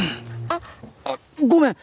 あっごめん！